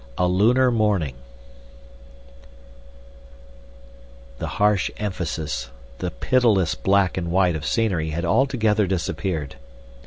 A Lunar Morning The harsh emphasis, the pitiless black and white of scenery had altogether disappeared.